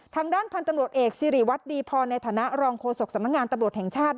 ทางด้านพันธุ์ตำรวจเอกสิริวัตรดีพรในฐานะรองโฆษกสำนักงานตำรวจแห่งชาติ